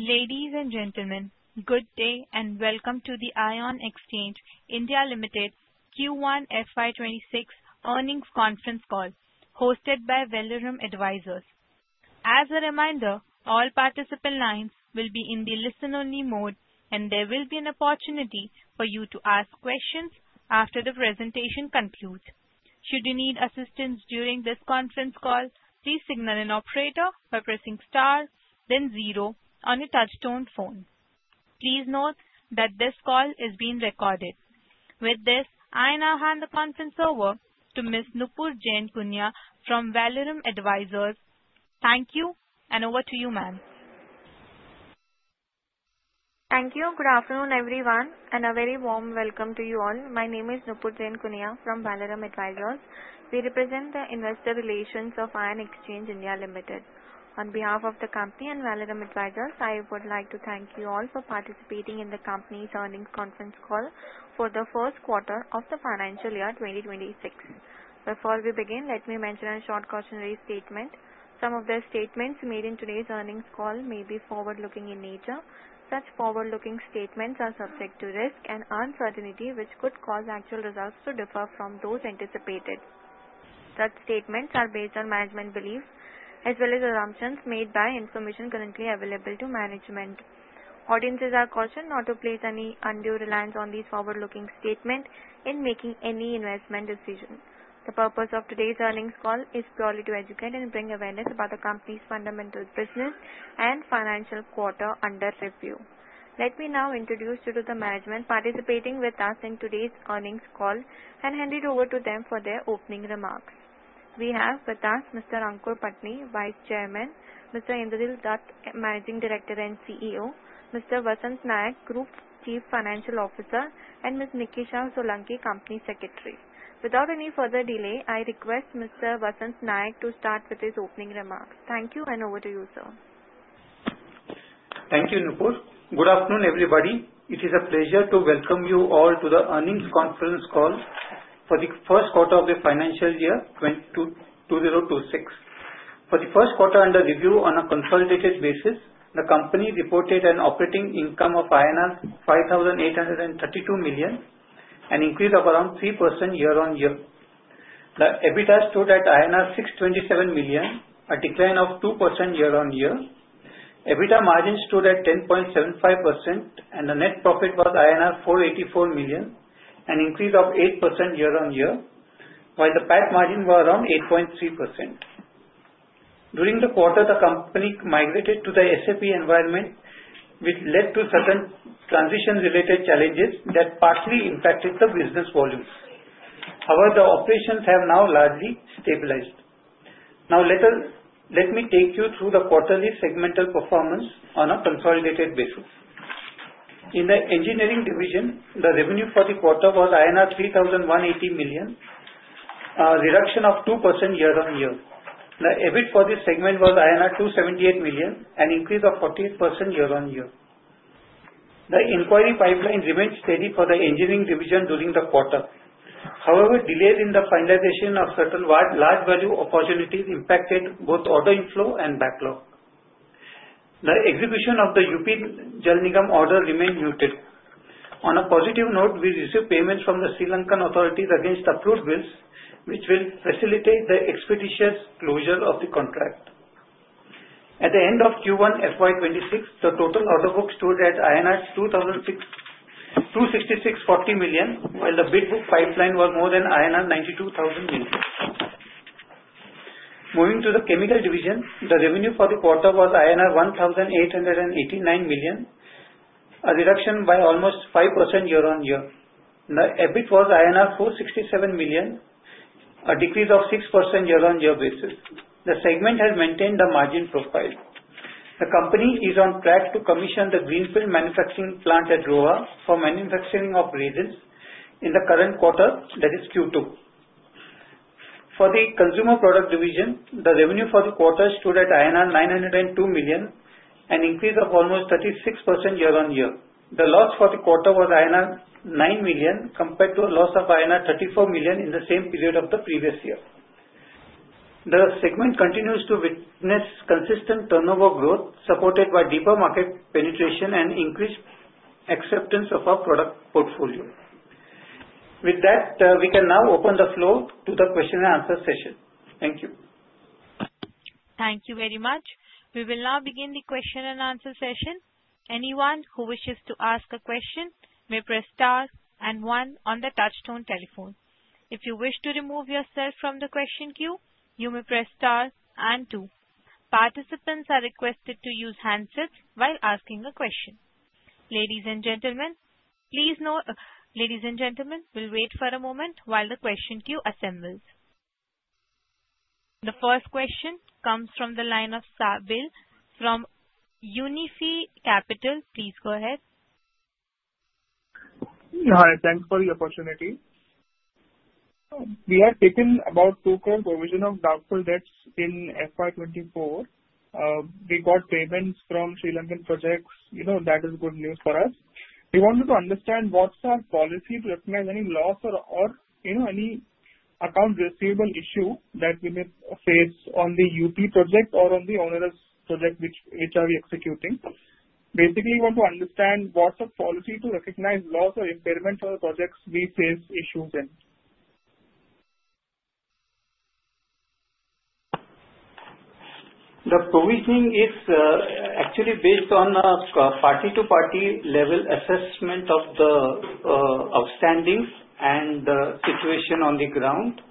Ladies and gentlemen, good day and welcome to the Ion Exchange India Limited Q1 FY 2026 earnings conference call hosted by Valorum Advisors. As a reminder, all participant lines will be in the listen-only mode, and there will be an opportunity for you to ask questions after the presentation concludes. Should you need assistance during this conference call, please signal an operator by pressing star then zero on your touch tone phone. Please note that this call is being recorded. With this, I now hand the conference over to Ms. Nupur Jainkunia from Valorum Advisors. Thank you, and over to you, ma'am. Thank you. Good afternoon, everyone, a very warm welcome to you all. My name is Nupur Jainkunia from Valorum Advisors. We represent the investor relations of Ion Exchange India Limited. On behalf of the company and Valorum Advisors, I would like to thank you all for participating in the company's earnings conference call for the first quarter of the financial year 2026. Before we begin, let me mention a short cautionary statement. Some of the statements made in today's earnings call may be forward-looking in nature. Such forward-looking statements are subject to risk and uncertainty, which could cause actual results to differ from those anticipated. Such statements are based on management beliefs as well as assumptions made by information currently available to management. Audiences are cautioned not to place any undue reliance on these forward-looking statements in making any investment decisions. The purpose of today's earnings call is purely to educate and bring awareness about the company's fundamental business and financial quarter under review. Let me now introduce you to the management participating with us in today's earnings call and hand it over to them for their opening remarks. We have with us Mr. Aankur Patni, Vice Chairman; Mr. Indr Dutt, Managing Director and CEO; Mr. Vasant Naik, Group Chief Financial Officer; and Ms. Nikisha Solanki, Company Secretary. Without any further delay, I request Mr. Vasant Naik to start with his opening remarks. Thank you, and over to you, sir. Thank you, Nupur. Good afternoon, everybody. It is a pleasure to welcome you all to the earnings conference call for the first quarter of the financial year 2026. For the first quarter under review on a consolidated basis, the company reported an operating income of INR 5,832 million, an increase of around 3% year-on-year. The EBITDA stood at INR 627 million, a decline of 2% year-on-year. EBITDA margin stood at 10.75%, the net profit was INR 484 million, an increase of 8% year-on-year, while the PAT margin was around 8.3%. During the quarter, the company migrated to the SAP environment, which led to certain transition-related challenges that partly impacted the business volumes. However, the operations have now largely stabilized. Now, let me take you through the quarterly segmental performance on a consolidated basis. In the engineering division, the revenue for the quarter was INR 3,180 million, a reduction of 2% year-on-year. The EBIT for this segment was INR 278 million, an increase of 14% year-on-year. The inquiry pipeline remained steady for the engineering division during the quarter. However, delays in the finalization of certain large value opportunities impacted both order inflow and backlog. The execution of the UP Jal Nigam order remained muted. On a positive note, we received payments from the Sri Lankan authorities against approved bills, which will facilitate the expeditious closure of the contract. At the end of Q1 FY 2026, the total order book stood at INR 264 million, while the bid book pipeline was more than INR 92,000 million. Moving to the chemical division, the revenue for the quarter was INR 1,889 million, a reduction by almost 5% year-on-year. The EBIT was INR 467 million, a decrease of 6% year-on-year basis. The segment has maintained the margin profile. The company is on track to commission the greenfield manufacturing plant at Roha for manufacturing of resins in the current quarter, that is Q2. For the consumer product division, the revenue for the quarter stood at INR 902 million, an increase of almost 36% year-on-year. The loss for the quarter was INR 9 million compared to a loss of INR 34 million in the same period of the previous year. The segment continues to witness consistent turnover growth, supported by deeper market penetration and increased acceptance of our product portfolio. We can now open the floor to the question and answer session. Thank you. Thank you very much. We will now begin the question and answer session. Anyone who wishes to ask a question may press star 1 on the touchtone telephone. If you wish to remove yourself from the question queue, you may press star 2. Participants are requested to use handsets while asking a question. Ladies and gentlemen, we'll wait for a moment while the question queue assembles. The first question comes from the line of Sabil from Unifi Capital. Please go ahead. Thanks for the opportunity. We had taken about 2 crore provision of doubtful debts in FY 2024. We got payments from Sri Lankan projects. That is good news for us. We wanted to understand what's our policy to recognize any loss or any accounts receivable issue that we may face on the UP project or on the onerous project which are we executing. We want to understand what's the policy to recognize loss or impairment on projects we face issues in. The provisioning is actually based on a party-to-party level assessment of the outstandings and the situation on the ground.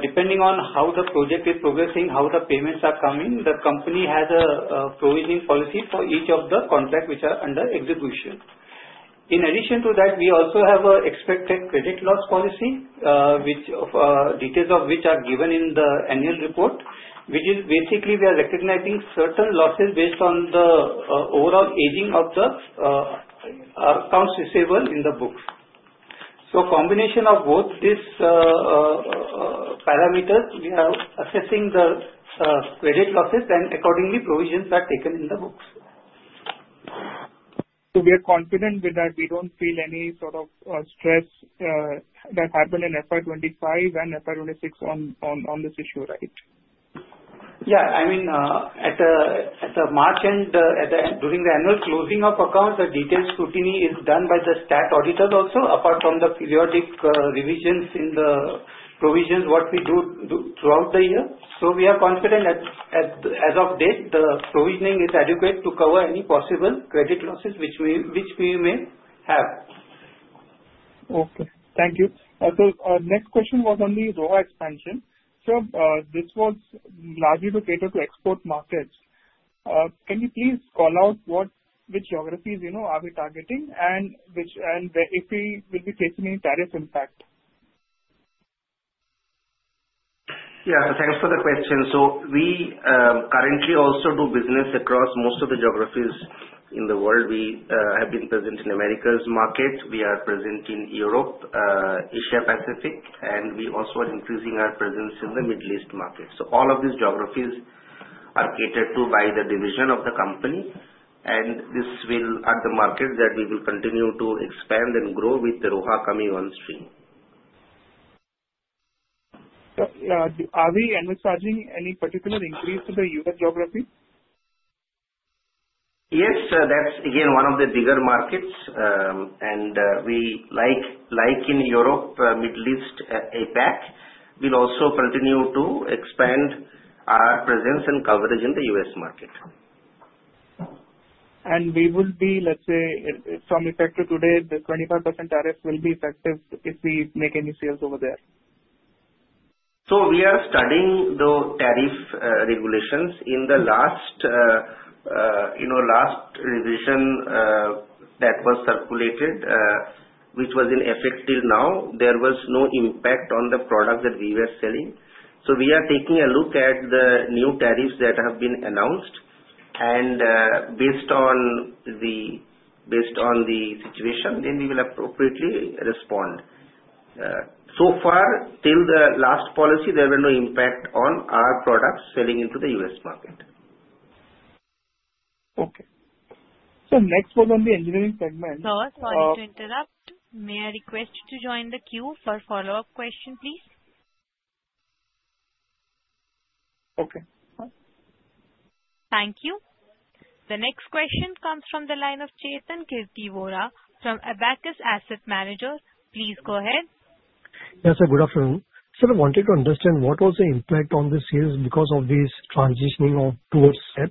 Depending on how the project is progressing, how the payments are coming, the company has a provisioning policy for each of the contracts which are under execution. In addition to that, we also have an expected credit loss policy, details of which are given in the annual report. Which is basically we are recognizing certain losses based on the overall aging of the accounts receivable in the books. Combination of both these parameters, we are assessing the credit losses and accordingly, provisions are taken in the books. We are confident with that, we don't feel any sort of stress that happened in FY 2025 and FY 2026 on this issue, right? At the March end, during the annual closing of accounts, the detailed scrutiny is done by the stat auditors also, apart from the periodic revisions in the provisions, what we do throughout the year. We are confident as of date, the provisioning is adequate to cover any possible credit losses which we may have. Thank you. Next question was on the Roha expansion. This was largely to cater to export markets. Can you please call out which geographies are we targeting and if we will be facing any tariff impact? Yeah. Thanks for the question. We currently also do business across most of the geographies in the world. We have been present in Americas market, we are present in Europe, Asia Pacific, and we also are increasing our presence in the Middle East market. All of these geographies are catered to by the division of the company, and these are the markets that we will continue to expand and grow with the Roha coming on stream. Are we envisaging any particular increase to the U.S. geography? Yes, that's again, one of the bigger markets. Like in Europe, Middle East, APAC, we'll also continue to expand our presence and coverage in the U.S. market. We will be, let's say, from effective today, the 25% tariff will be effective if we make any sales over there. We are studying the tariff regulations. In the last revision that was circulated which was in effect till now, there was no impact on the product that we were selling. We are taking a look at the new tariffs that have been announced, and based on the situation, then we will appropriately respond. So far, till the last policy, there were no impact on our products selling into the U.S. market. Okay. Next was on the engineering segment- Sir, sorry to interrupt. May I request to join the queue for follow-up question, please? Okay. Thank you. The next question comes from the line of Chetan Vora from Abakkus Asset Manager. Please go ahead. Yes, sir. Good afternoon. Sir, I wanted to understand what was the impact on the sales because of this transitioning towards SAP.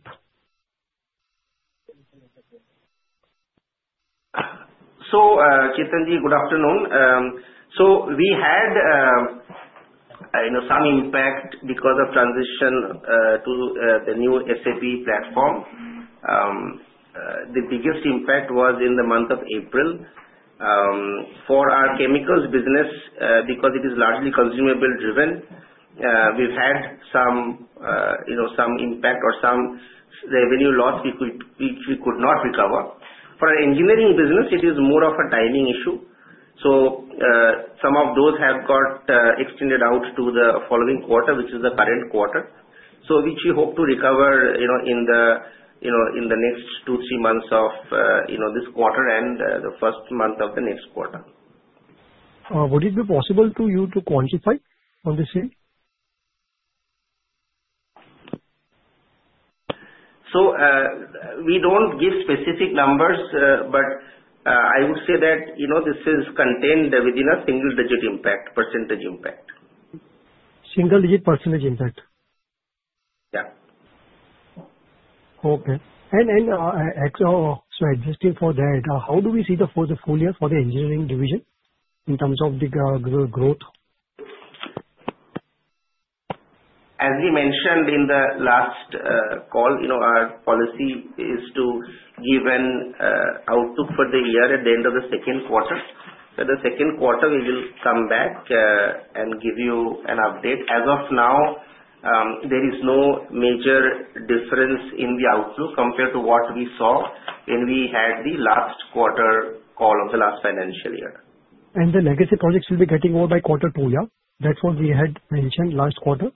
Chetan Bhairav, good afternoon. We had some impact because of transition to the new SAP platform. The biggest impact was in the month of April. For our chemicals business, because it is largely consumable driven, we've had some impact or some revenue loss which we could not recover. For our engineering business, it is more of a timing issue. Some of those have got extended out to the following quarter, which is the current quarter. Which we hope to recover in the next two, three months of this quarter and the first month of the next quarter. Would it be possible to you to quantify on the same? We don't give specific numbers, but I would say that this is contained within a single-digit impact, percentage impact. Single-digit % impact? Yeah. Okay. Adjusting for that, how do we see the full year for the engineering division in terms of the growth? As we mentioned in the last call, our policy is to give an outlook for the year at the end of the second quarter. The second quarter, we will come back and give you an update. As of now, there is no major difference in the outlook compared to what we saw when we had the last quarter call of the last financial year. The legacy projects will be getting over by quarter two, yeah? That's what we had mentioned last quarter.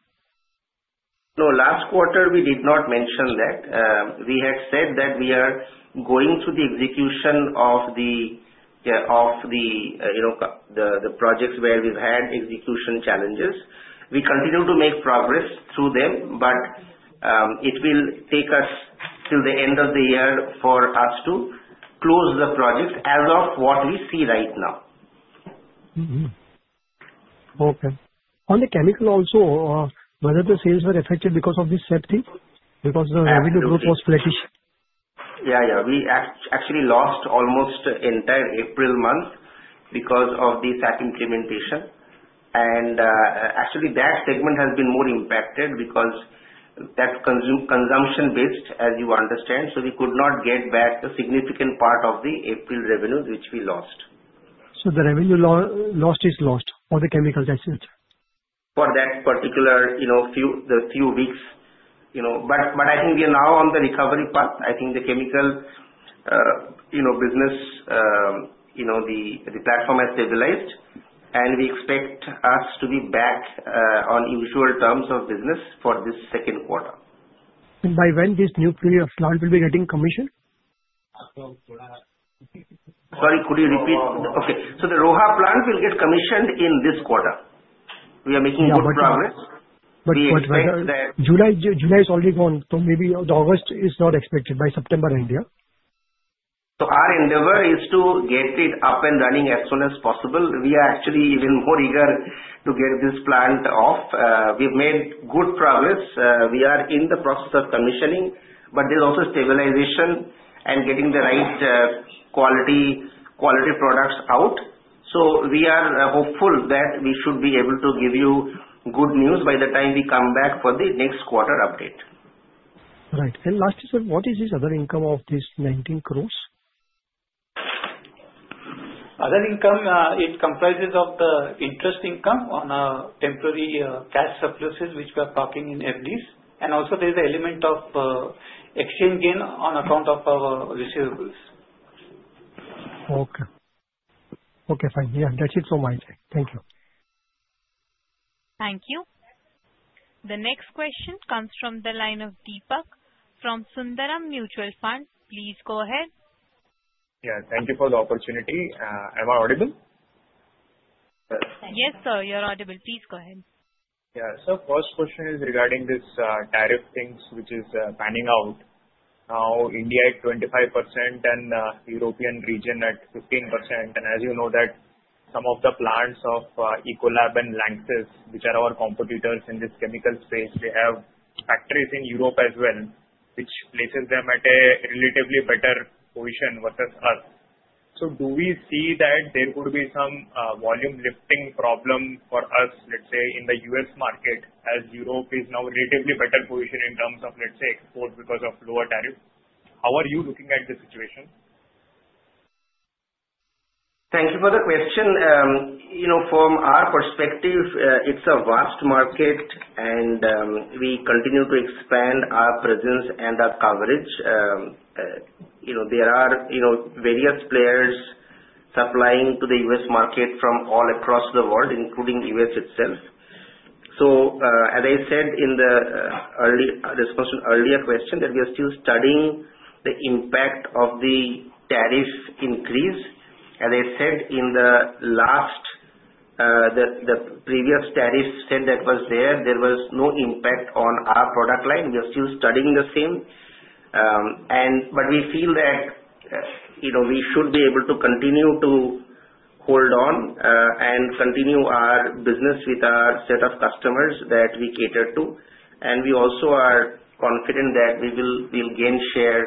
Last quarter, we did not mention that. We had said that we are going through the execution of the projects where we've had execution challenges. We continue to make progress through them. It will take us till the end of the year for us to close the projects as of what we see right now. Okay. On the chemical also, whether the sales were affected because of this safety? The revenue growth was flattish. Yeah. We actually lost almost the entire April month because of the SAP implementation. Actually, that segment has been more impacted because that's consumption-based, as you understand. We could not get back the significant part of the April revenues, which we lost. The revenue lost is lost for the chemicals, that's it. For that particular few weeks. I think we are now on the recovery path. I think the chemical business, the platform has stabilized, and we expect us to be back on usual terms of business for this second quarter. By when this new Roha plant will be getting commissioned? Sorry, could you repeat? Okay. The Roha plant will get commissioned in this quarter. We are making good progress. July is already gone. Maybe August is not expected. By September, then, yeah? Our endeavor is to get it up and running as soon as possible. We are actually even more eager to get this plant off. We've made good progress. We are in the process of commissioning, but there's also stabilization and getting the right quality products out. We are hopeful that we should be able to give you good news by the time we come back for the next quarter update. Right. Lastly, sir, what is this other income of this 19 crores? Other income, it comprises of the interest income on temporary cash surpluses, which we are parking in FDs. Also there is an element of exchange gain on account of our receivables. Okay. Okay, fine. Yeah, that's it from my end. Thank you. Thank you. The next question comes from the line of Deepak from Sundaram Mutual Fund. Please go ahead. Yeah, thank you for the opportunity. Am I audible? Yes, sir, you're audible. Please go ahead. Yeah. First question is regarding this tariff things, which is panning out now India at 25% and European region at 15%. As you know that some of the plants of Ecolab and Lanxess, which are our competitors in this chemical space, they have factories in Europe as well, which places them at a relatively better position versus us. Do we see that there could be some volume lifting problem for us, let's say, in the U.S. market, as Europe is now in a relatively better position in terms of, let's say, export because of lower tariff? How are you looking at the situation? Thank you for the question. From our perspective, it is a vast market, and we continue to expand our presence and our coverage. There are various players supplying to the U.S. market from all across the world, including the U.S. itself. As I said in response to the earlier question, that we are still studying the impact of the tariff increase. As I said, in the previous tariff set that was there was no impact on our product line. We are still studying the same. We feel that we should be able to continue to hold on and continue our business with our set of customers that we cater to. We also are confident that we will gain share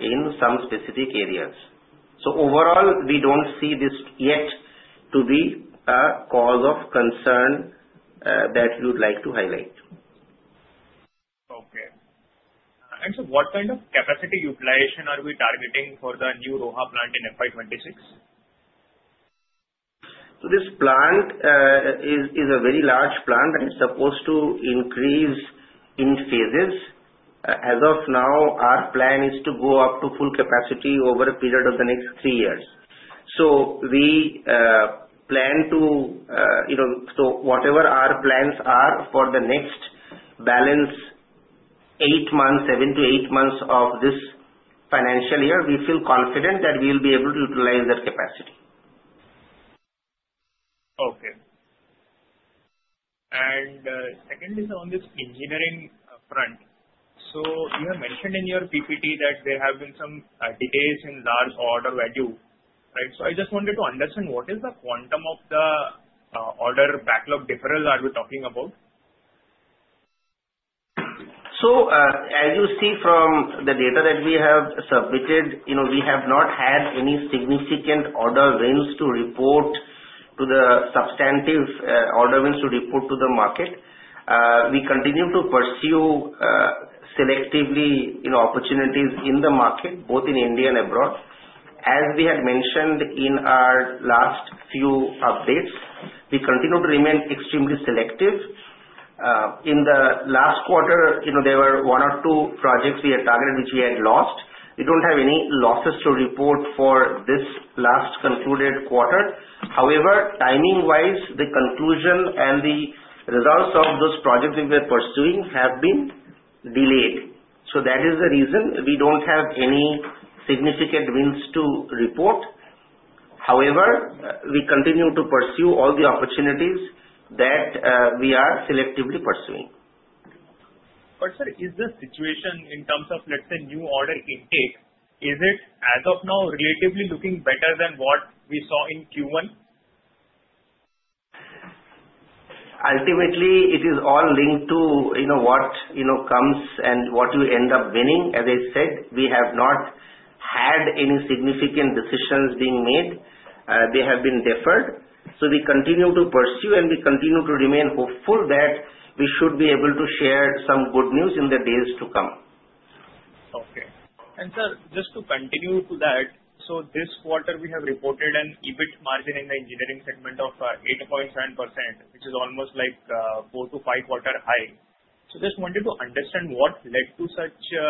in some specific areas. Overall, we do not see this yet to be a cause of concern that we would like to highlight. Okay. What kind of capacity utilization are we targeting for the new Roha plant in FY 2026? This plant is a very large plant and is supposed to increase in phases. As of now, our plan is to go up to full capacity over a period of the next three years. Whatever our plans are for the next balance seven to eight months of this financial year, we feel confident that we will be able to utilize that capacity. Okay. Second is on this engineering front. You have mentioned in your PPT that there have been some delays in large order value. Right. I just wanted to understand what is the quantum of the order backlog deferral are we talking about? As you see from the data that we have submitted, we have not had any substantive order wins to report to the market. We continue to pursue selectively opportunities in the market, both in India and abroad. As we had mentioned in our last few updates, we continue to remain extremely selective. In the last quarter, there were one or two projects we had targeted, which we had lost. We don't have any losses to report for this last concluded quarter. However, timing-wise, the conclusion and the results of those projects we were pursuing have been Delayed. That is the reason we don't have any significant wins to report. However, we continue to pursue all the opportunities that we are selectively pursuing. Sir, is the situation in terms of, let's say, new order intake, is it as of now relatively looking better than what we saw in Q1? Ultimately, it is all linked to what comes and what you end up winning. As I said, we have not had any significant decisions being made. They have been deferred. We continue to pursue and we continue to remain hopeful that we should be able to share some good news in the days to come. Sir, just to continue to that, this quarter we have reported an EBIT margin in the engineering segment of 8.7%, which is almost four to five quarter high. Just wanted to understand what led to such a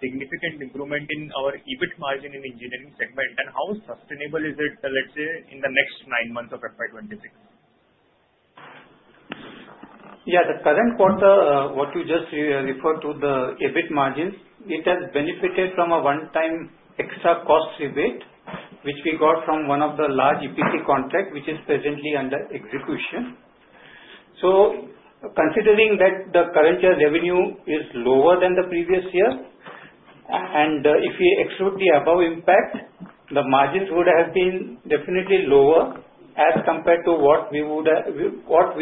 significant improvement in our EBIT margin in engineering segment, and how sustainable is it, let's say, in the next nine months of FY 2026? Yeah. The current quarter, what you just referred to, the EBIT margins, it has benefited from a one-time extra cost rebate, which we got from one of the large EPC contracts which is presently under execution. Considering that the current year revenue is lower than the previous year, and if we exclude the above impact, the margins would have been definitely lower as compared to what we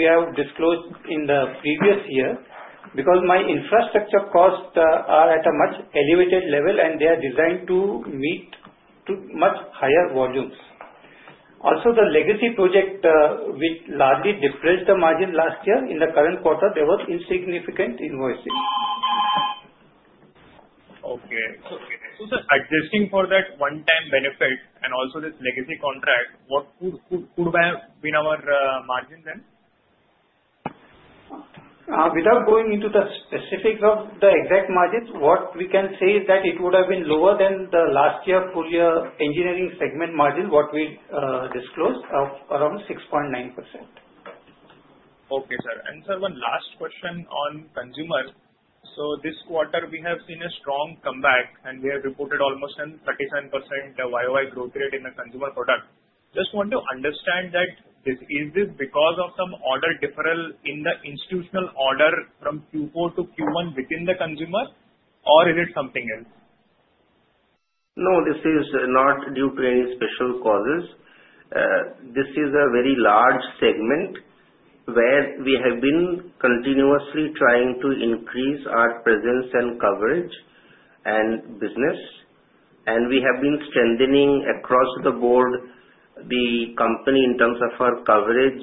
have disclosed in the previous year because my infrastructure costs are at a much elevated level, and they are designed to meet much higher volumes. Also, the legacy project which largely depressed the margin last year, in the current quarter, there was insignificant invoicing. Okay. Just adjusting for that one-time benefit and also this legacy contract, what could have been our margin then? Without going into the specifics of the exact margins, what we can say is that it would have been lower than the last year full year engineering segment margin, what we disclosed of around 6.9%. Okay, sir. Sir, one last question on consumer. This quarter, we have seen a strong comeback, and we have reported almost a 37% YOY growth rate in the consumer product. Just want to understand that is this because of some order deferral in the institutional order from Q4 to Q1 within the consumer, or is it something else? No, this is not due to any special causes. This is a very large segment where we have been continuously trying to increase our presence and coverage and business. We have been strengthening across the board, the company in terms of our coverage,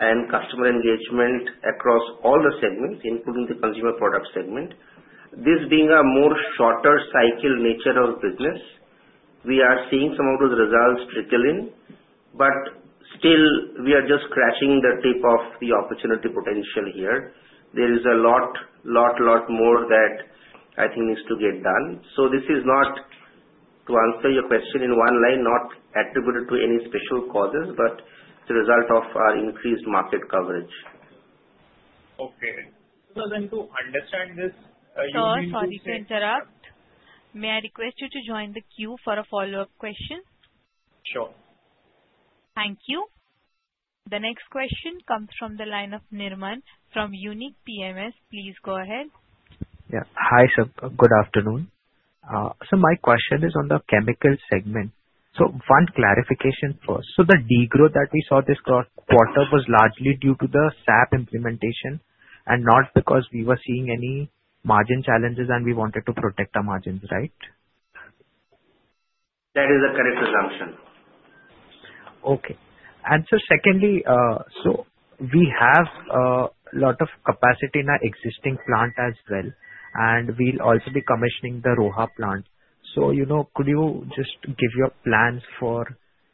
and customer engagement across all the segments, including the consumer product segment. This being a more shorter cycle nature of business, we are seeing some of those results trickle in. Still, we are just scratching the tip of the opportunity potential here. There is a lot, lot more that I think needs to get done. This is not, to answer your question in one line, not attributable to any special causes, but it's a result of our increased market coverage. Okay. To understand this- Sir, sorry to interrupt. May I request you to join the queue for a follow-up question? Sure. Thank you. The next question comes from the line of Nirman from Unique PMS. Please go ahead. Yeah. Hi, sir. Good afternoon. My question is on the chemical segment. One clarification first. The degrowth that we saw this quarter was largely due to the SAP implementation and not because we were seeing any margin challenges and we wanted to protect the margins, right? That is the correct assumption. Okay. Sir, secondly, so we have a lot of capacity in our existing plant as well, and we'll also be commissioning the Roha plant. Could you just give your plans for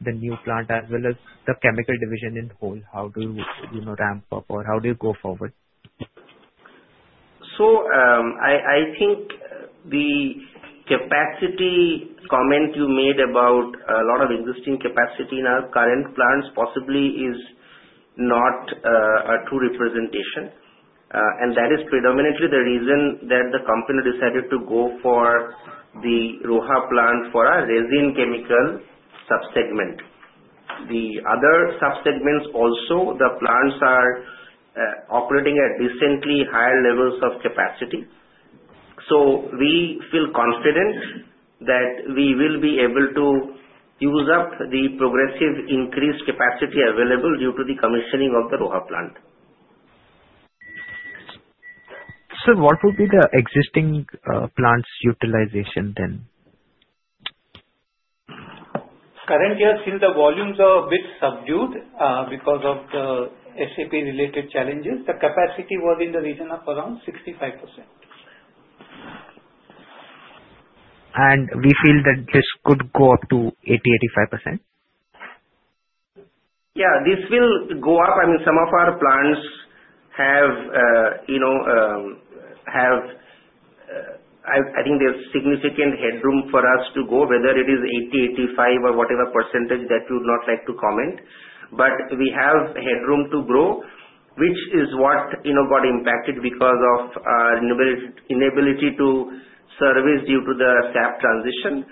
the new plant as well as the chemical division in whole? How do you ramp up, or how do you go forward? I think the capacity comment you made about a lot of existing capacity in our current plants possibly is not a true representation. That is predominantly the reason that the company decided to go for the Roha plant for our resin chemical sub-segment. The other sub-segments also, the plants are operating at decently higher levels of capacity. We feel confident that we will be able to use up the progressive increased capacity available due to the commissioning of the Roha plant. Sir, what would be the existing plants utilization then? Current year, since the volumes are a bit subdued because of the SAP-related challenges, the capacity was in the region of around 65%. We feel that this could go up to 80%, 85%? Yeah, this will go up. Some of our plants have I think there is significant headroom for us to go, whether it is 80%, 85% or whatever percentage that you would not like to comment. We have headroom to grow, which is what got impacted because of our inability to service you to the SAP transition.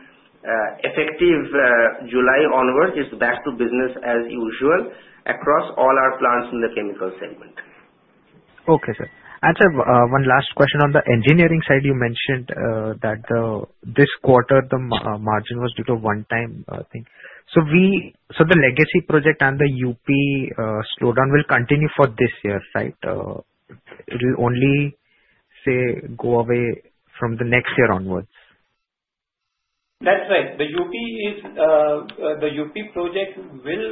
Effective July onwards, it is back to business as usual across all our plants in the chemical segment. Okay, sir. Sir, one last question. On the engineering side, you mentioned that this quarter, the margin was due to a one-time thing. The legacy project and the UP slowdown will continue for this year, right? It will only, say, go away from the next year onwards. That's right. The UP project will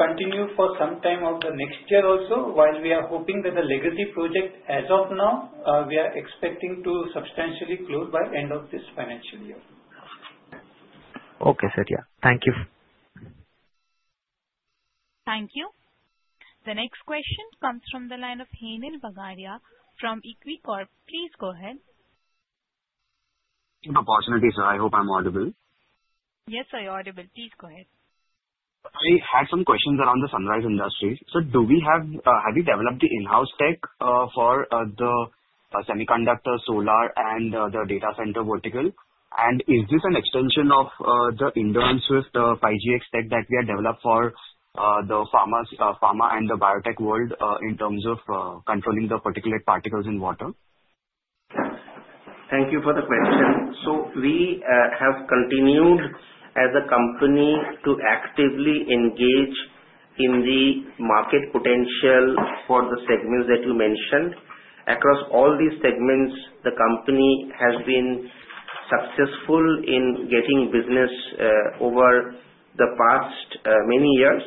continue for some time of the next year also, while we are hoping that the legacy project, as of now, we are expecting to substantially close by end of this financial year. Okay, sir. Yeah. Thank you. Thank you. The next question comes from the line of Hemal Bagaria from Equicorp. Please go ahead. Good afternoon, sir. I hope I'm audible. Yes, sir, you're audible. Please go ahead. I had some questions around the sunrise industries. Sir, have you developed the in-house tech for the semiconductor, solar, and the data center vertical? Is this an extension of the Endurance Swift 5GX tech that we had developed for the pharma and the biotech world in terms of controlling the particulate particles in water? Thank you for the question. We have continued as a company to actively engage in the market potential for the segments that you mentioned. Across all these segments, the company has been successful in getting business over the past many years.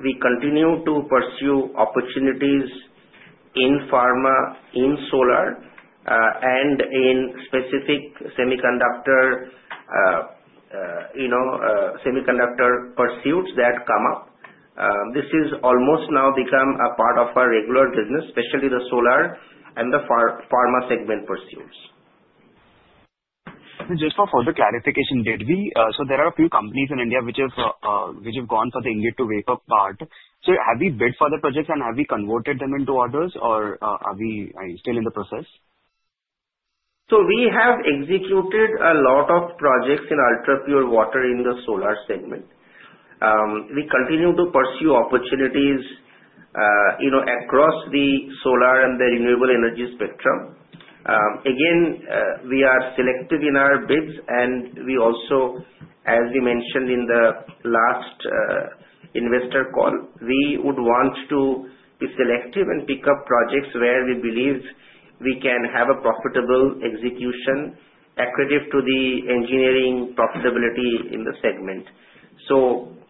We continue to pursue opportunities in pharma, in solar, and in specific semiconductor pursuits that come up. This is almost now become a part of our regular business, especially the solar and the pharma segment pursuits. Just for further clarification, there are a few companies in India which have gone for the India to wake up part. Have we bid for the projects and have we converted them into orders, or are we still in the process? We have executed a lot of projects in ultrapure water in the solar segment. We continue to pursue opportunities across the solar and the renewable energy spectrum. Again, we are selective in our bids, we also, as we mentioned in the last investor call, we would want to be selective and pick up projects where we believe we can have a profitable execution accretive to the engineering profitability in the segment.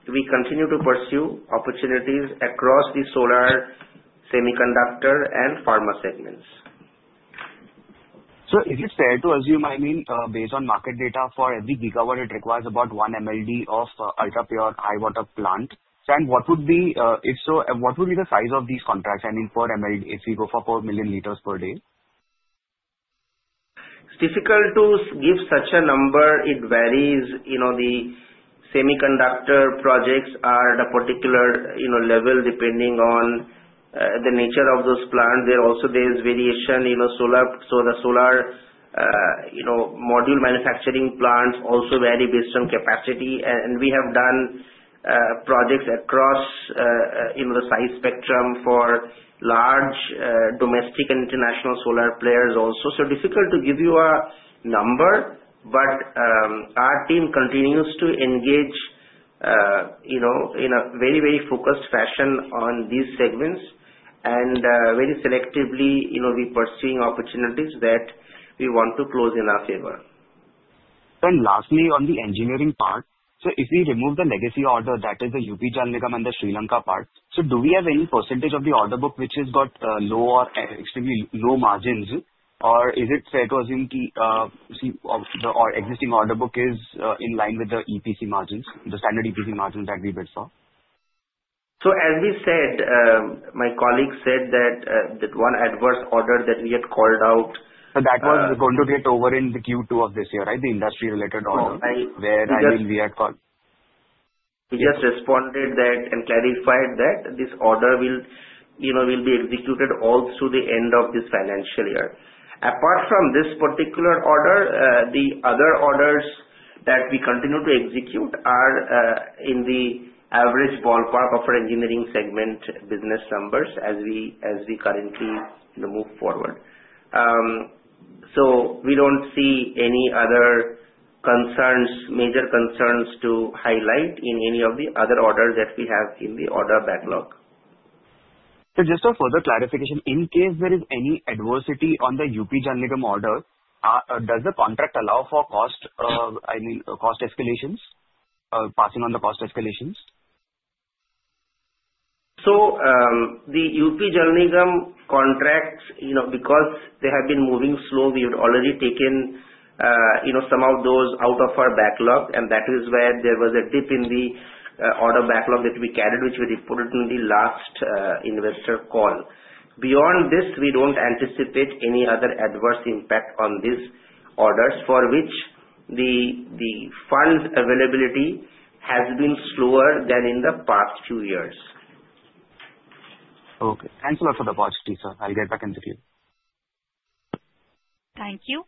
We continue to pursue opportunities across the solar, semiconductor, and pharma segments. Sir, is it fair to assume based on market data for every gigawatt, it requires about one MLD of ultrapure high water plant? What would be the size of these contracts, I mean, for MLD, if we go for 4 million liters per day? It's difficult to give such a number. It varies. The semiconductor projects are at a particular level, depending on the nature of those plants. Also, there is variation in the solar. The solar module manufacturing plants also vary based on capacity. We have done projects across the size spectrum for large domestic and international solar players also. Difficult to give you a number, but our team continues to engage in a very focused fashion on these segments and very selectively, we're pursuing opportunities that we want to close in our favor. Lastly, on the engineering part. If we remove the legacy order, that is the UP Jal Nigam and the Sri Lanka part, do we have any percentage of the order book which has got low or extremely low margins? Is it fair to assume the existing order book is in line with the EPC margins, the standard EPC margins that we bid for? As we said, my colleague said that one adverse order that we had called out. That one is going to get over in the Q2 of this year, right? The industry-related order. No. Where, I mean, we had called. He just responded that and clarified that this order will be executed all through the end of this financial year. Apart from this particular order, the other orders that we continue to execute are in the average ballpark of our engineering segment business numbers as we currently move forward. We don't see any other major concerns to highlight in any of the other orders that we have in the order backlog. Sir, just for further clarification, in case there is any adversity on the UP Jal Nigam order, does the contract allow for cost escalations or passing on the cost escalations? The UP Jal Nigam contracts, because they have been moving slow, we had already taken some of those out of our backlog, and that is where there was a dip in the order backlog that we carried, which we reported in the last investor call. Beyond this, we don't anticipate any other adverse impact on these orders for which the fund availability has been slower than in the past few years. Okay. Thanks a lot for the opportunity, sir. I'll get back into queue. Thank you.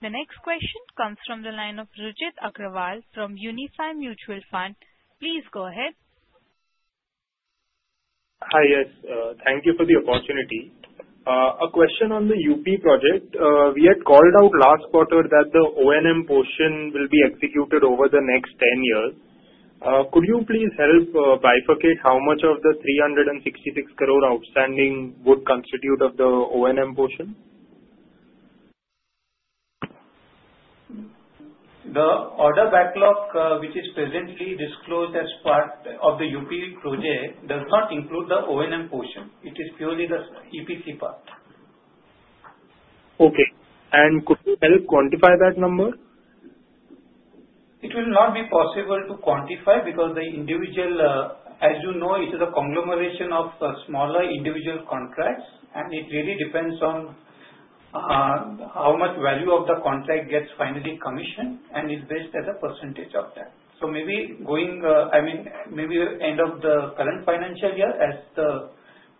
The next question comes from the line of Ruchit Agrawal from Unifi Mutual Fund. Please go ahead. Hi. Yes. Thank you for the opportunity. A question on the UP project. We had called out last quarter that the O&M portion will be executed over the next 10 years. Could you please help bifurcate how much of the 366 crore outstanding would constitute of the O&M portion? The order backlog, which is presently disclosed as part of the UP project, does not include the O&M portion. It is purely the EPC part. Okay. Could you help quantify that number? It will not be possible to quantify because the individual, as you know, it is a conglomeration of smaller individual contracts, and it really depends on how much value of the contract gets finally commissioned, and it's based as a percentage of that. Maybe end of the current financial year as the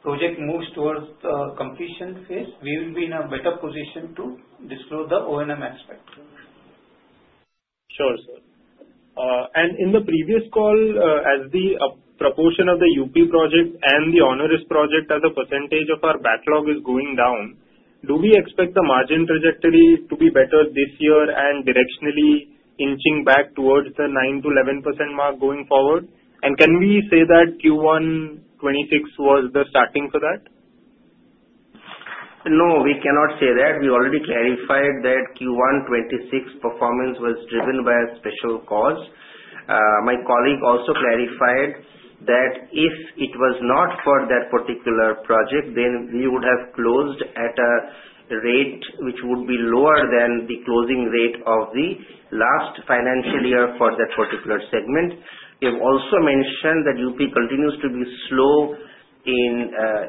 project moves towards the completion phase, we will be in a better position to disclose the O&M aspect. Sure, sir. In the previous call, as the proportion of the UP project and the onerous project as a percentage of our backlog is going down, do we expect the margin trajectories to be better this year and directionally inching back towards the 9%-11% mark going forward? Can we say that Q1 2026 was the starting for that? No, we cannot say that. We already clarified that Q1 2026 performance was driven by a special cause. My colleague also clarified that if it was not for that particular project, then we would have closed at a rate which would be lower than the closing rate of the last financial year for that particular segment. We have also mentioned that UP continues to be slow in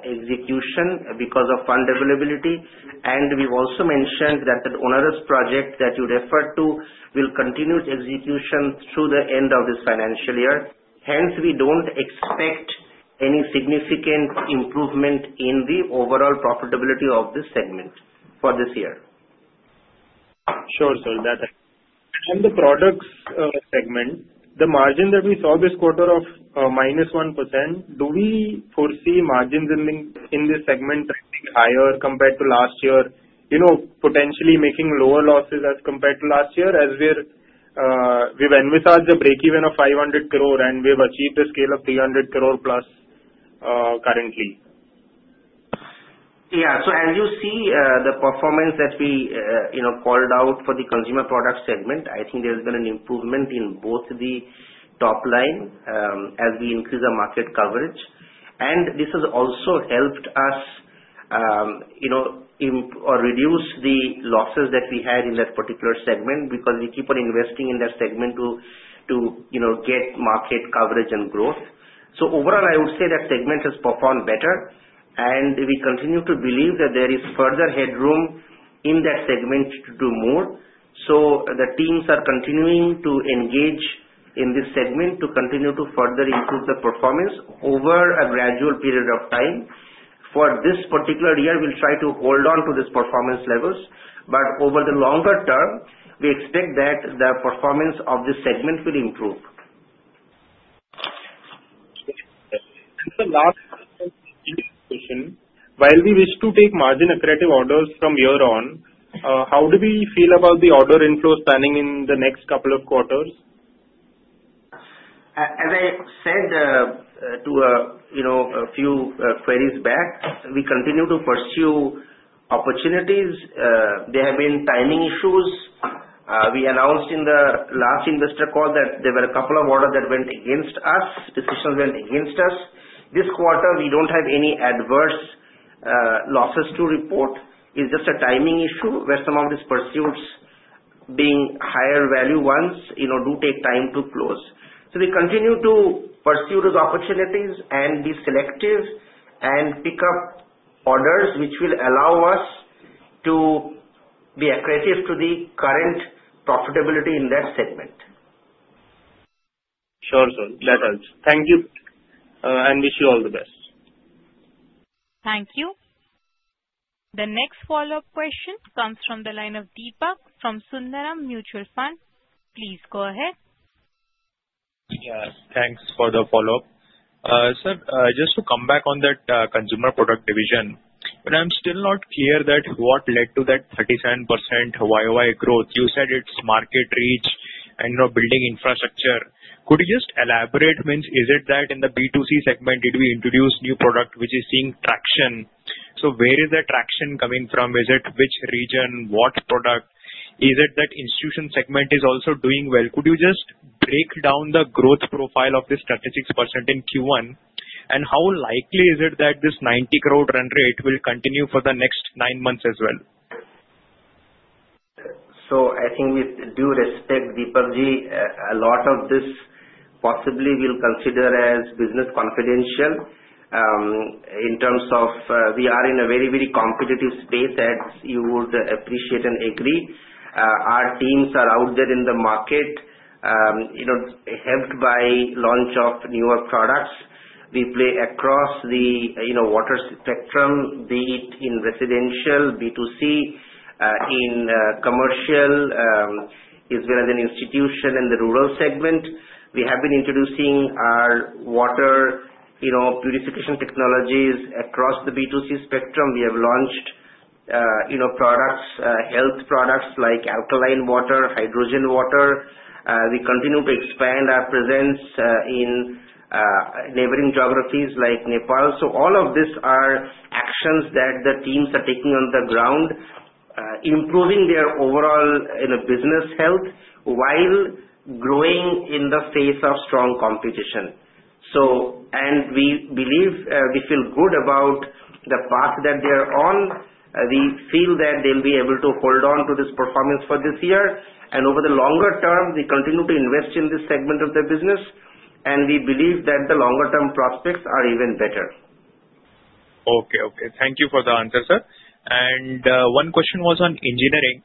execution because of fund availability. We've also mentioned that the onerous project that you referred to will continue execution through the end of this financial year. We don't expect any significant improvement in the overall profitability of this segment for this year. Sure, sir. The products segment, the margin that we saw this quarter of -1%, do we foresee margins in this segment trending higher compared to last year, potentially making lower losses as compared to last year, as we've envisaged a break-even of 500 crore and we've achieved a scale of 300 crore plus currently? Yeah. As you see the performance that we called out for the consumer products segment, I think there's been an improvement in both the top line as we increase our market coverage. This has also helped us reduce the losses that we had in that particular segment because we keep on investing in that segment to get market coverage and growth. Overall, I would say that segment has performed better. We continue to believe that there is further headroom in that segment to do more. The teams are continuing to engage in this segment to continue to further improve the performance over a gradual period of time. For this particular year, we'll try to hold on to this performance levels, but over the longer term, we expect that the performance of this segment will improve. The last question. While we wish to take margin-accretive orders from year on, how do we feel about the order inflow standing in the next couple of quarters? As I said to a few queries back, we continue to pursue opportunities. There have been timing issues. We announced in the last investor call that there were a couple of orders that went against us. Decisions went against us. This quarter, we don't have any adverse losses to report. It's just a timing issue where some of these pursuits being higher value ones do take time to close. We continue to pursue those opportunities and be selective and pick up orders, which will allow us to be accretive to the current profitability in that segment. Sure, sir. That helps. Thank you, and wish you all the best. Thank you. The next follow-up question comes from the line of Deepak from Sundaram Mutual Fund. Please go ahead. Yes. Thanks for the follow-up. Sir, just to come back on that consumer product division, I'm still not clear what led to that 37% YOY growth. You said it's market reach and building infrastructure. Could you just elaborate, means is it that in the B2C segment did we introduce new product which is seeing traction? Where is the traction coming from? Is it which region? What product? Is it that institution segment is also doing well? Could you just break down the growth profile of this 36% in Q1? How likely is it that this 90 crore run rate will continue for the next nine months as well? I think with due respect, Deepajji, a lot of this possibly we'll consider as business confidential. In terms of we are in a very competitive space that you would appreciate and agree. Our teams are out there in the market, helped by launch of newer products. We play across the water spectrum, be it in residential, B2C, in commercial, as well as in institution and the rural segment. We have been introducing our water purification technologies across the B2C spectrum. We have launched health products like alkaline water, hydrogen water. We continue to expand our presence in neighboring geographies like Nepal. All of these are actions that the teams are taking on the ground, improving their overall business health while growing in the face of strong competition. We feel good about the path that they are on. We feel that they'll be able to hold on to this performance for this year. Over the longer term, we continue to invest in this segment of the business, and we believe that the longer-term prospects are even better. Okay. Thank you for the answer, sir. One question was on engineering.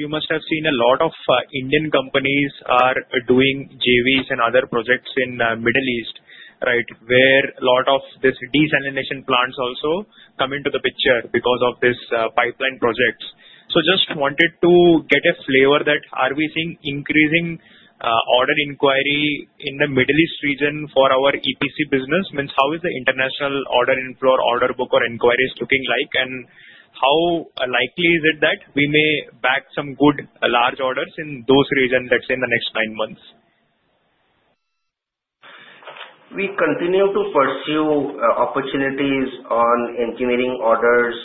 You must have seen a lot of Indian companies are doing JVs and other projects in Middle East, where a lot of these desalination plants also come into the picture because of these pipeline projects. Just wanted to get a flavor that are we seeing increasing order inquiry in the Middle East region for our EPC business? Means how is the international order inflow or order book or inquiries looking like? How likely is it that we may bag some good large orders in those regions, let's say in the next nine months? We continue to pursue opportunities on engineering orders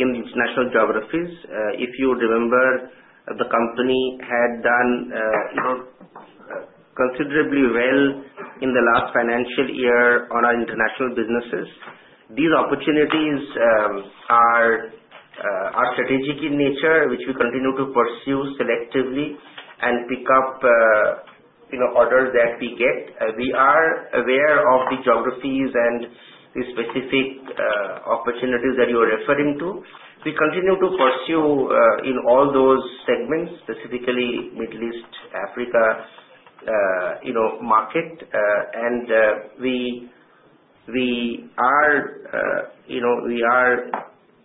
in international geographies. If you remember, the company had done considerably well in the last financial year on our international businesses. These opportunities are strategic in nature, which we continue to pursue selectively and pick up orders that we get. We are aware of the geographies and the specific opportunities that you're referring to. We continue to pursue in all those segments, specifically Middle East, Africa market. We are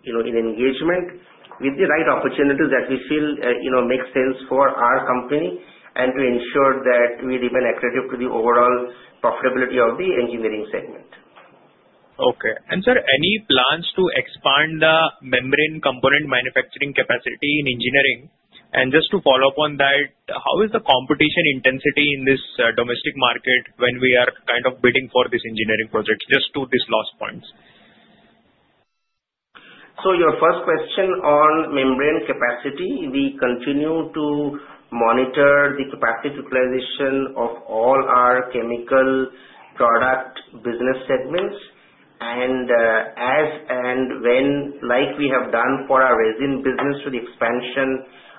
in engagement with the right opportunities that we feel make sense for our company and to ensure that we remain accretive to the overall profitability of the engineering segment. Okay. Sir, any plans to expand the membrane component manufacturing capacity in engineering? Just to follow up on that, how is the competition intensity in this domestic market when we are kind of bidding for these engineering projects? Just two of these last points. Your first question on membrane capacity, we continue to monitor the capacity utilization of all our chemical product business segments. As and when, like we have done for our resin business with the expansion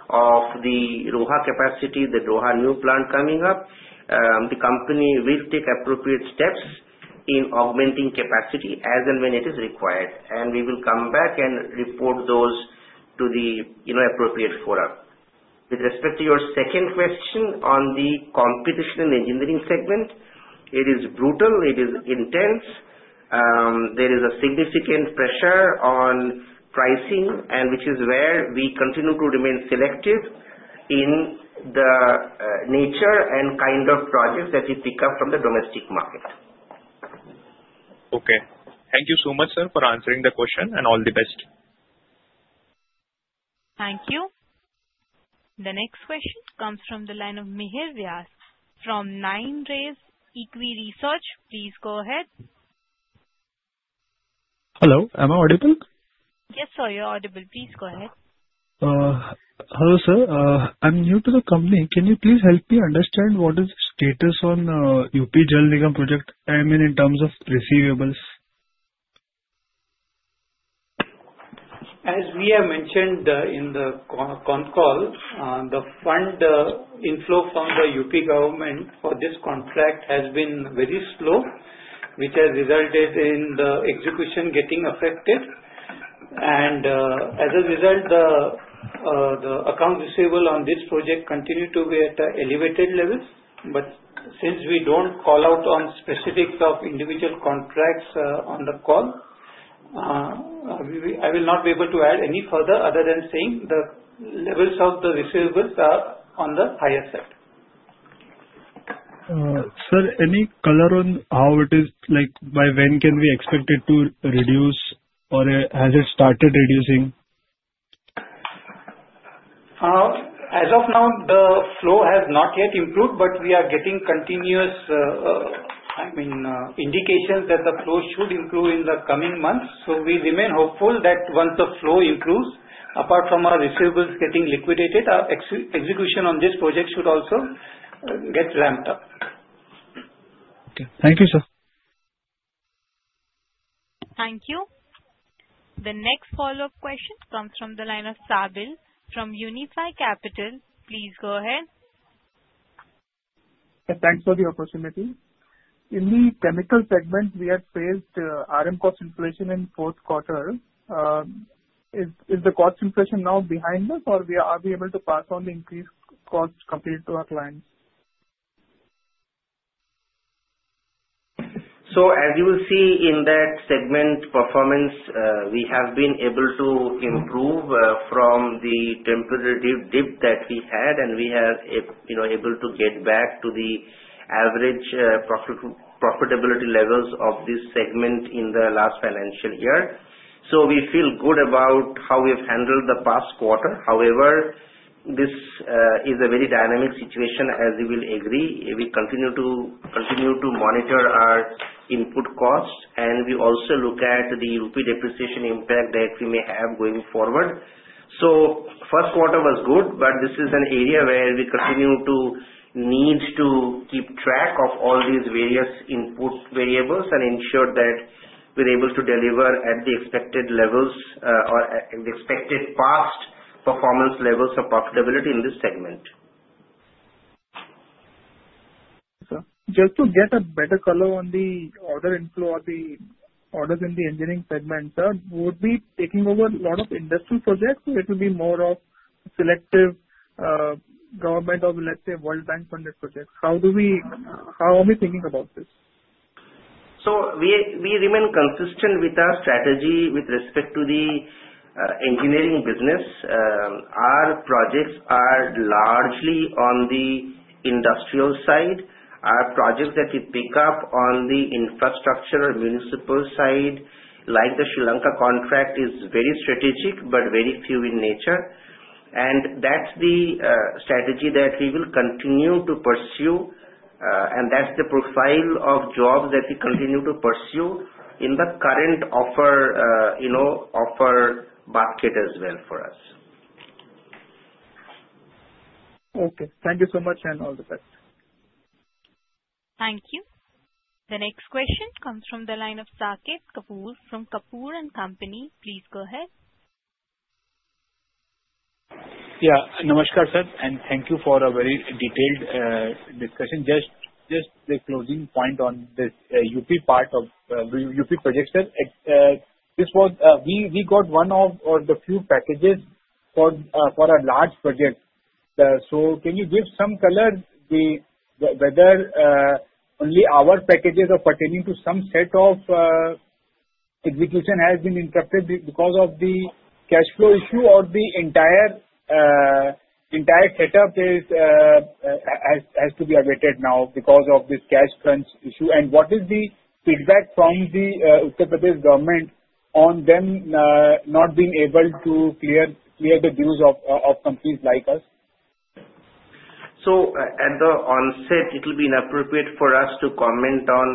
of the Roha capacity, the Roha new plant coming up, the company will take appropriate steps in augmenting capacity as and when it is required. We will come back and report those to the appropriate forum. With respect to your second question on the competition engineering segment, it is brutal, it is intense. There is a significant pressure on pricing, which is where we continue to remain selective in the nature and kind of projects that we pick up from the domestic market. Okay. Thank you so much, sir, for answering the question, and all the best. Thank you. The next question comes from the line of Mihir Vyas from Nine Res Equi Research. Please go ahead. Hello, am I audible? Yes, sir, you're audible. Please go ahead. Hello, sir. I mean, new to the company. Can you please help me understand what is the status on UP Jal Nigam project? I mean, in terms of receivables. As we have mentioned in the con call, the fund inflow from the UP government for this contract has been very slow, which has resulted in the execution getting affected. As a result, the accounts receivable on this project continue to be at elevated levels. Since we don't call out on specifics of individual contracts on the call, I will not be able to add any further other than saying the levels of the receivables are on the higher side. Sir, any color on how it is, like by when can we expect it to reduce or has it started reducing? As of now, the flow has not yet improved, we are getting continuous indications that the flow should improve in the coming months. We remain hopeful that once the flow improves. Apart from our receivables getting liquidated, our execution on this project should also get ramped up. Okay. Thank you, sir. Thank you. The next follow-up question comes from the line of Sabil from Unifi Capital. Please go ahead. Thanks for the opportunity. In the chemical segment, we had faced RM cost inflation in fourth quarter. Is the cost inflation now behind us, or are we able to pass on the increased costs compared to our clients? As you will see in that segment performance, we have been able to improve from the temporary dip that we had, and we are able to get back to the average profitability levels of this segment in the last financial year. We feel good about how we've handled the past quarter. However, this is a very dynamic situation, as you will agree. We continue to monitor our input costs, and we also look at the rupee depreciation impact that we may have going forward. First quarter was good, but this is an area where we continue to need to keep track of all these various input variables and ensure that we're able to deliver at the expected levels, or at the expected past performance levels of profitability in this segment. Sir, just to get a better color on the order inflow or the orders in the engineering segment. Would we be taking over a lot of industrial projects, or it will be more of selective World Bank-funded projects? How are we thinking about this? We remain consistent with our strategy with respect to the engineering business. Our projects are largely on the industrial side. Our projects that we pick up on the infrastructure or municipal side, like the Sri Lanka contract, is very strategic but very few in nature. That's the strategy that we will continue to pursue, and that's the profile of jobs that we continue to pursue in the current offer basket as well for us. Okay. Thank you so much, and all the best. Thank you. The next question comes from the line of Saket Kapoor from Kapoor & Company. Please go ahead. Yeah. Namaskar, sir, thank you for a very detailed discussion. Just the closing point on this UP part of the UP projects. We got one of the few packages for a large project. Can you give some color whether only our packages are pertaining to some set of execution has been interrupted because of the cash flow issue of the entire setup has to be awaited now because of this cash crunch issue. What is the feedback from the Uttar Pradesh government on them not being able to clear the dues of companies like us? At the onset, it will be inappropriate for us to comment on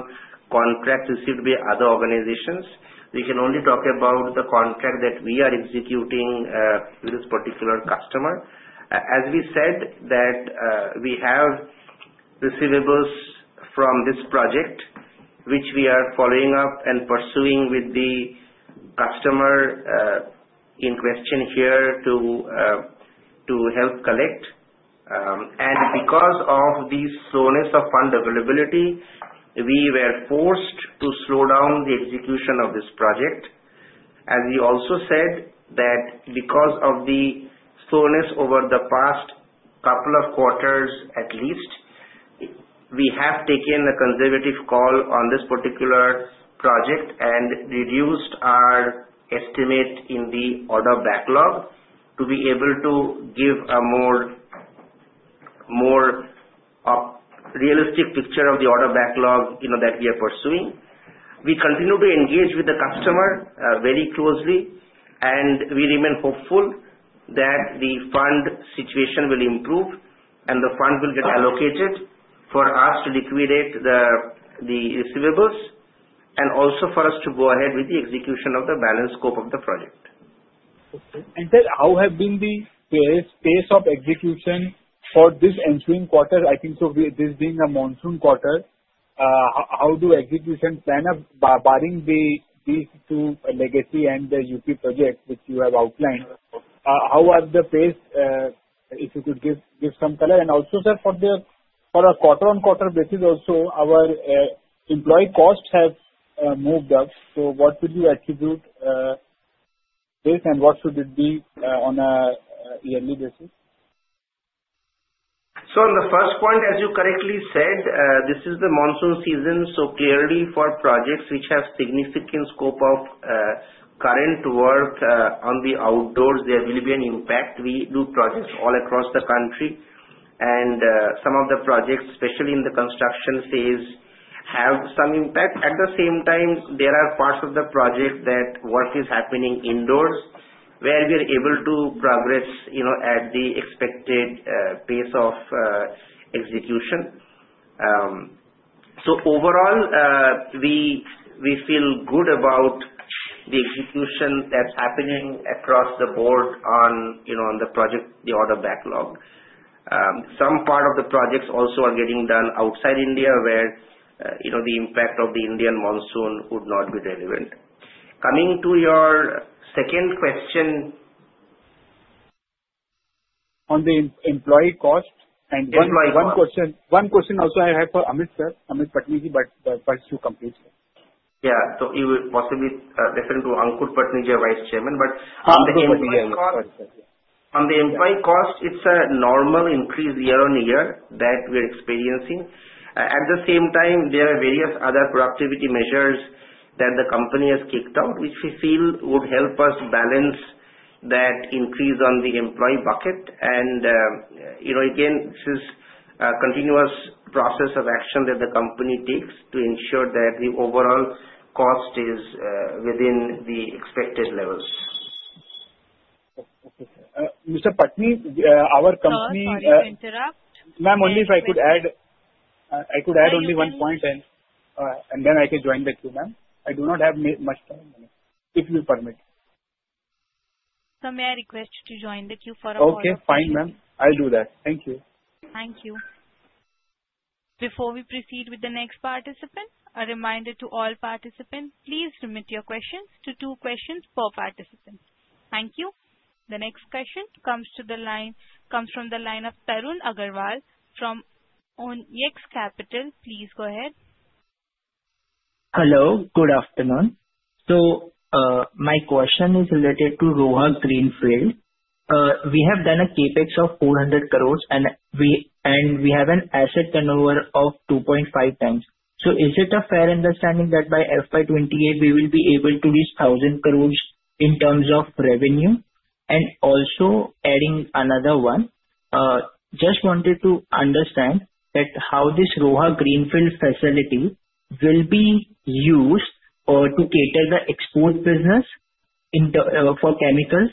contracts received by other organizations. We can only talk about the contract that we are executing with this particular customer. As we said that we have receivables from this project, which we are following up and pursuing with the customer in question here to help collect. Because of the slowness of fund availability, we were forced to slow down the execution of this project. As we also said that because of the slowness over the past couple of quarters, at least, we have taken a conservative call on this particular project and reduced our estimate in the order backlog to be able to give a more realistic picture of the order backlog that we are pursuing. We continue to engage with the customer very closely, and we remain hopeful that the fund situation will improve and the fund will get allocated for us to liquidate the receivables and also for us to go ahead with the execution of the balance scope of the project. Okay. Sir, how has been the pace of execution for this ensuing quarter? I think so this being a monsoon quarter, how do execution plan up barring these two, legacy and the UP projects which you have outlined. How was the pace, if you could give some color? Also, sir, for our quarter-on-quarter basis also, our employee costs have moved up. What would you attribute this, and what should it be on a yearly basis? The first point, as you correctly said, this is the monsoon season. Clearly for projects which have significant scope of current work on the outdoors, there will be an impact. We do projects all across the country, and some of the projects, especially in the construction phase, have some impact. At the same time, there are parts of the project that work is happening indoors, where we are able to progress at the expected pace of execution. Overall, we feel good about the execution that's happening across the board on the project, the order backlog. Some part of the projects also are getting done outside India where the impact of the Indian monsoon would not be relevant. Coming to your second question. On the employee cost. Employee cost. One question also I have for Aankur Patni, sir. Aankur Patni, first you complete, sir. Yeah. You were possibly referring to Aankur Patni, our vice chairman. On the employee cost, it's a normal increase year-on-year that we're experiencing. At the same time, there are various other productivity measures that the company has kicked out, which we feel would help us balance that increase on the employee bucket. Again, this is a continuous process of action that the company takes to ensure that the overall cost is within the expected levels. Okay, sir. Mr. Patni, our company- Sir, sorry to interrupt. Ma'am, only if I could add only one point and then I can join the queue, ma'am. I do not have much time, if you permit. Sir, may I request you to join the queue. Okay, fine, ma'am. I'll do that. Thank you. Thank you. Before we proceed with the next participant, a reminder to all participants, please limit your questions to two questions per participant. Thank you. The next question comes from the line of Tarun Aggarwal from ONYX Capital. Please go ahead. Hello, good afternoon. My question is related to Roha Greenfield. We have done a CapEx of 400 crores, and we have an asset turnover of 2.5 times. Is it a fair understanding that by FY 2028 we will be able to reach 1,000 crores in terms of revenue? Also adding another one, just wanted to understand that how this Roha Greenfield facility will be used to cater the export business for chemicals.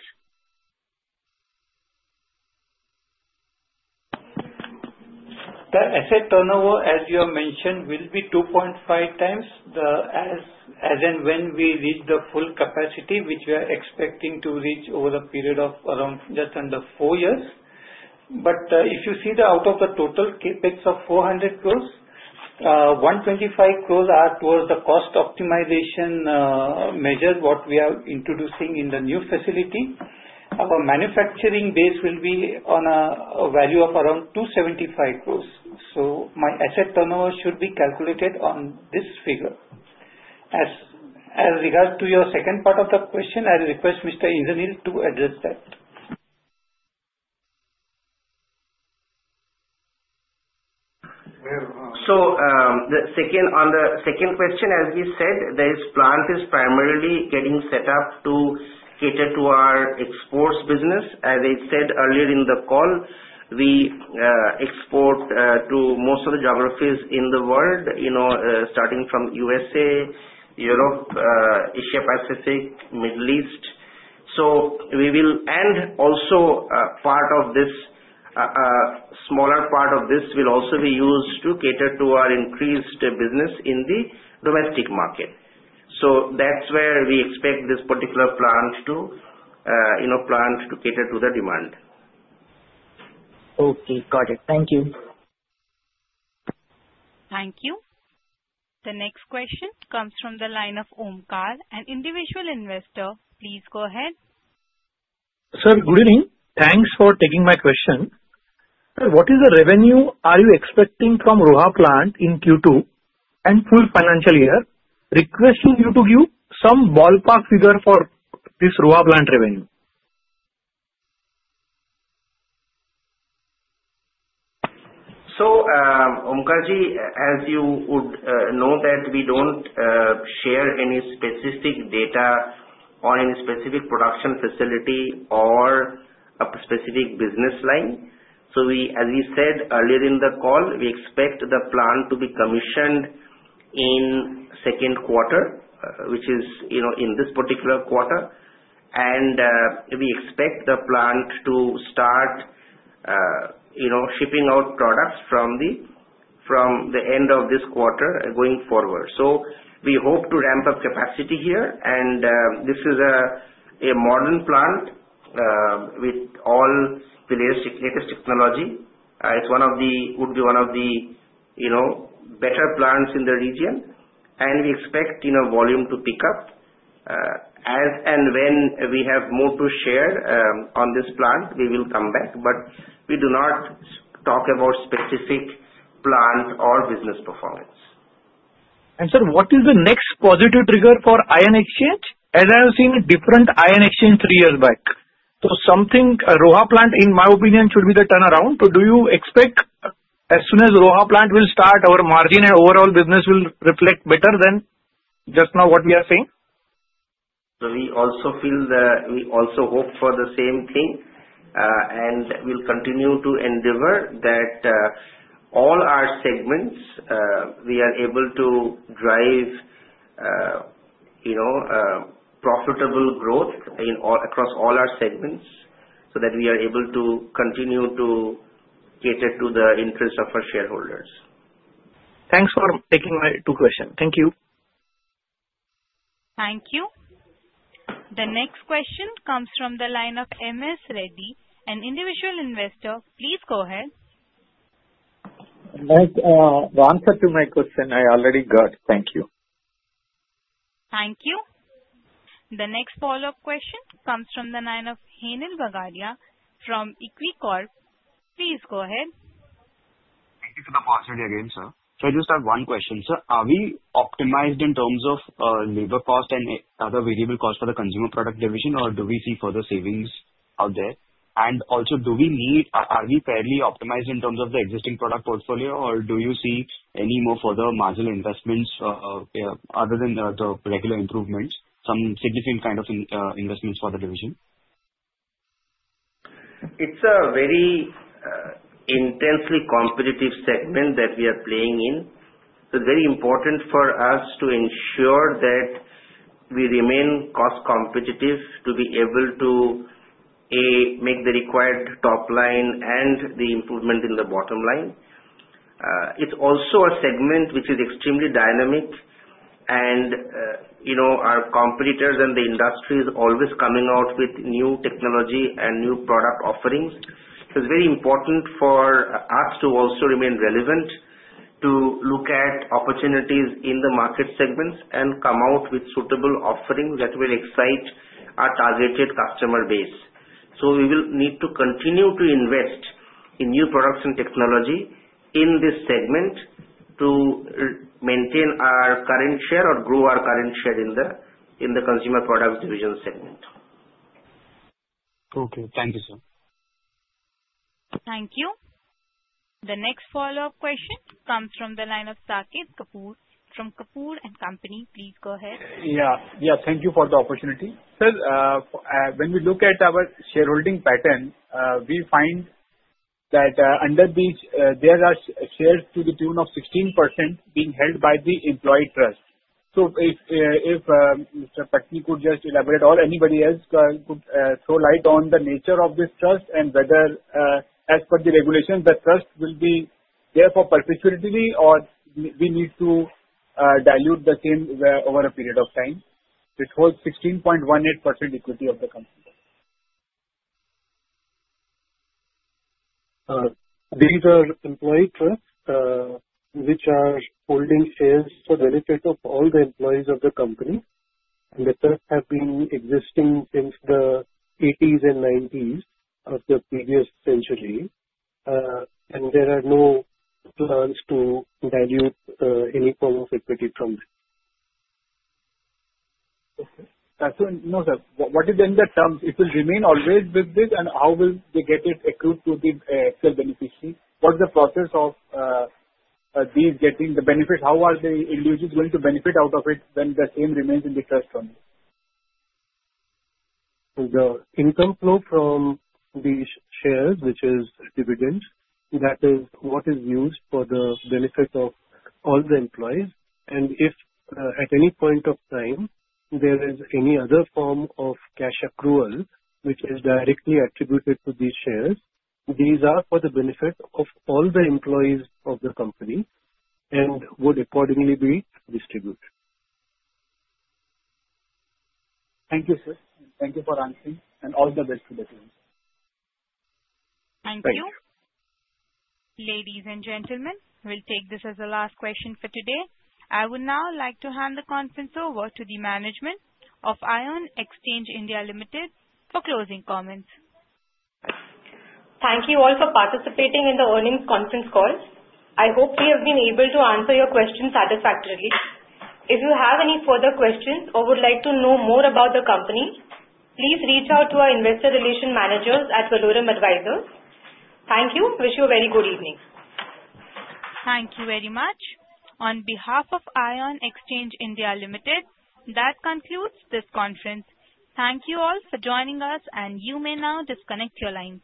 The asset turnover, as you have mentioned, will be 2.5 times, as and when we reach the full capacity, which we are expecting to reach over the period of around just under 4 years. If you see out of the total CapEx of 400 crores, 125 crores are towards the cost optimization measures, what we are introducing in the new facility. Our manufacturing base will be on a value of around 275 crores. My asset turnover should be calculated on this figure. As regards to your second part of the question, I request Mr. Indraneel to address that. On the second question, as we said, this plant is primarily getting set up to cater to our exports business. As I said earlier in the call, we export to most of the geographies in the world, starting from USA, Europe, Asia Pacific, Middle East. Also a smaller part of this will also be used to cater to our increased business in the domestic market. That's where we expect this particular plant to cater to the demand. Okay, got it. Thank you. Thank you. The next question comes from the line of Omkarji, an individual investor. Please go ahead. Sir, good evening. Thanks for taking my question. Sir, what is the revenue are you expecting from Roha plant in Q2 and full financial year? Requesting you to give some ballpark figure for this Roha plant revenue. Omkarji, as you would know that we don't share any specific data on any specific production facility or a specific business line. As we said earlier in the call, we expect the plant to be commissioned in second quarter, which is in this particular quarter. We expect the plant to start shipping out products from the end of this quarter going forward. We hope to ramp up capacity here, and this is a modern plant with all the latest technology. It would be one of the better plants in the region, and we expect volume to pick up. As and when we have more to share on this plant, we will come back, but we do not talk about specific plant or business performance. Sir, what is the next positive trigger for Ion Exchange? As I have seen a different Ion Exchange three years back. Something, Roha plant, in my opinion, should be the turnaround. Do you expect as soon as Roha plant will start our margin and overall business will reflect better than just now what we are seeing? We also hope for the same thing, and we'll continue to endeavor that all our segments, we are able to drive profitable growth across all our segments, so that we are able to continue to cater to the interest of our shareholders. Thanks for taking my two questions. Thank you. Thank you. The next question comes from the line of MS Reddy, an individual investor. Please go ahead. The answer to my question I already got. Thank you. Thank you. The next follow-up question comes from the line of Henil Bagaria from Equicorp. Please go ahead. Thank you for the opportunity again, sir. I just have one question, sir. Are we optimized in terms of labor cost and other variable costs for the consumer product division, or do we see further savings out there? Are we fairly optimized in terms of the existing product portfolio, or do you see any more further marginal investments other than the regular improvements, some significant kind of investments for the division? It's a very intensely competitive segment that we are playing in. Very important for us to ensure that we remain cost competitive to be able to, A, make the required top line and the improvement in the bottom line. It's also a segment which is extremely dynamic and our competitors and the industry is always coming out with new technology and new product offerings. It's very important for us to also remain relevant, to look at opportunities in the market segments and come out with suitable offerings that will excite our targeted customer base. We will need to continue to invest in new products and technology in this segment to maintain our current share or grow our current share in the consumer products division segment. Okay. Thank you, sir. Thank you. The next follow-up question comes from the line of Saket Kapoor from Kapoor & Company. Please go ahead. Yeah. Thank you for the opportunity. Sir, when we look at our shareholding pattern, we find that there are shares to the tune of 16% being held by the employee trust. If Mr. Patni could just elaborate or anybody else could throw light on the nature of this trust and whether, as per the regulation, the trust will be there for perpetuity or we need to dilute the same over a period of time. This holds 16.18% equity of the company. These are employee trusts, which are holding shares for the benefit of all the employees of the company. The trusts have been existing since the '80s and '90s of the previous century, and there are no plans to dilute any form of equity from this. Okay. No, sir. What is then the terms, it will remain always with this and how will they get it accrued to the said beneficiary? What's the process of these getting the benefit? How are the individuals going to benefit out of it when the same remains in the trust only? The income flow from the shares, which is dividends, that is what is used for the benefit of all the employees. If at any point of time there is any other form of cash accrual which is directly attributed to these shares, these are for the benefit of all the employees of the company and would accordingly be distributed. Thank you, sir. Thank you for answering, and all the best for the future. Thank you. Ladies and gentlemen, we'll take this as the last question for today. I would now like to hand the conference over to the management of Ion Exchange India Limited for closing comments. Thank you all for participating in the earnings conference call. I hope we have been able to answer your questions satisfactorily. If you have any further questions or would like to know more about the company, please reach out to our investor relation managers at Valorem Advisors. Thank you. Wish you a very good evening. Thank you very much. On behalf of Ion Exchange India Limited, that concludes this conference. Thank you all for joining us and you may now disconnect your lines.